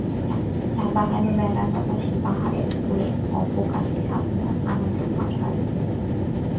চা-বাগানে বেড়ানোর পাশাপাশি পাহাড়ের কোলে অবকাশে আপনার আনন্দের মাত্রা বাড়িয়ে দেবে।